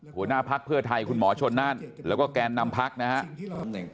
หัวหน้าพักเพื่อไทยคุณหมอชนนั่นแล้วก็แกนนำพักนะครับ